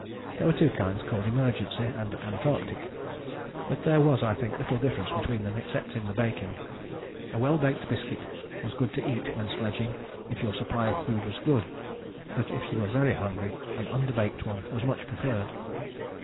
There were two kinds, called Emergency and Antarctic, but there was I think little difference between them except in the baking. A well baked biscuit was good to eat when sledging if your supply of food was good: but if you were very hungry an underbaked one was much preferred.